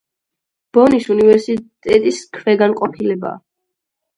ბონის უნივერსიტეტის ქვეგანყოფილება.